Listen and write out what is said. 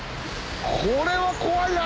これは怖いな。